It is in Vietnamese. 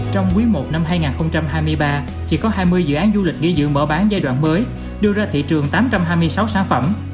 trong quý i năm hai nghìn hai mươi ba chỉ có hai mươi dự án du lịch nghỉ dưỡng mở bán giai đoạn mới đưa ra thị trường tám trăm hai mươi sáu sản phẩm